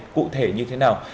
cụ thể như thế nào